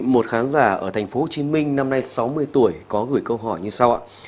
một khán giả ở tp hcm năm nay sáu mươi tuổi có gửi câu hỏi như sau ạ